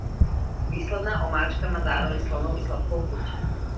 Výsledná omáčka má zároveň slanou i sladkou chuť.